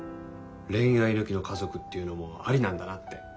恋愛抜きの家族っていうのもありなんだなって。